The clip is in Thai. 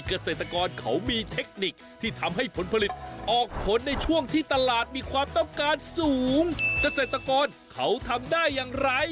เกษตรกรเขามีเทคนิคที่ทำให้ผลผลิตออกผลในช่วงที่ตลาดมีความต้องการสูงเกษตรกรเขาทำได้อย่างไร